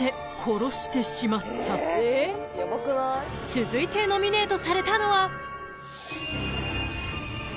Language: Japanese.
［続いてノミネートされたのは］